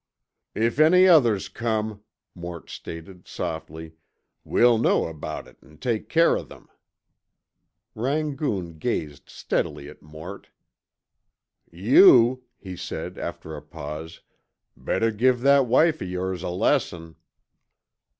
"If any others come," Mort stated softly, "we'll know about it an' take care of them." Rangoon gazed steadily at Mort. "You," he said, after a pause, "better give that wife of yores a lesson."